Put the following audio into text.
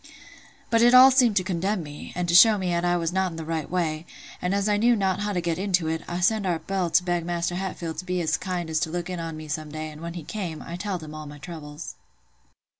But all seemed to condemn me, and to show me "at I was not in the right way; and as I knew not how to get into it, I sent our Bill to beg Maister Hatfield to be as kind as look in on me some day and when he came, I telled him all my troubles."